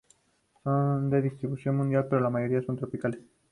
Son de distribución mundial, pero la mayoría son tropicales.